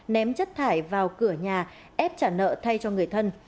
ném chất thải vào cửa nhà ép trả nợ thay cho người thân